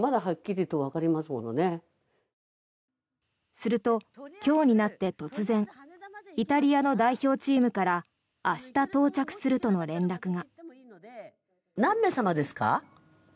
すると、今日になって突然イタリアの代表チームから明日到着するとの連絡が。